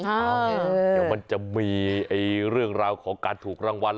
เดี๋ยวมันจะมีเรื่องราวของการถูกรางวัล